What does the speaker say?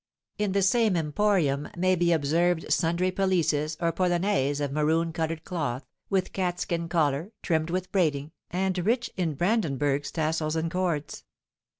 In the same emporium may be observed sundry pelisses or polonaises of maroon coloured cloth, with cat skin collar, trimmed with braiding, and rich in brandenburgs, tassels, and cords.